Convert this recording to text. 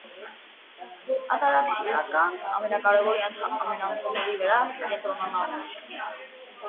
Ատարաքսիան ամենակարևորի ամենաընդհանուրի վրա կենտրոնանալն է։